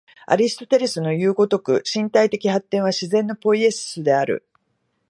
アリストテレスのいう如く、身体的発展は自然のポイエシスである。